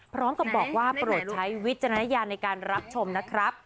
พร้อมกับบอกว่าโปรดใช้วิจารณญาณในการรับชมนะครับ